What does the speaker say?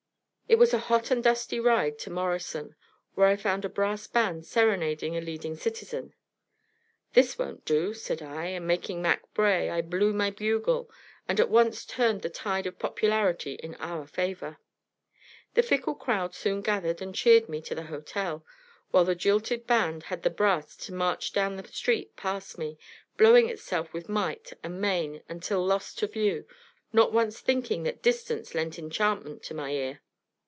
It was a hot and dusty ride to Morrison, where I found a brass band serenading a leading citizen. "This won't do," said I; and making Mac bray, I blew my bugle, and at once turned the tide of popularity in our favor. The fickle crowd soon gathered and cheered me to the hotel, while the jilted band had the brass to march down the street past me, blowing itself with might and main until lost to view, not once thinking that distance lent enchantment to my ear.